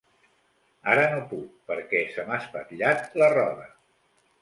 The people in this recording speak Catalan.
Ara no puc perquè se m'ha espatllat la roda.